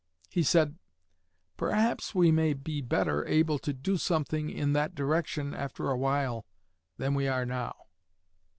He said, 'Perhaps we may be better able to do something in that direction after a while than we are now.'